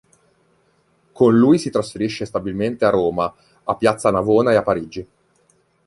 Con lui si trasferisce stabilmente a Roma, a Piazza Navona e a Parigi.